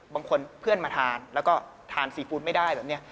เพื่อนมาทานแล้วก็ทานซีฟู้ดไม่ได้แบบนี้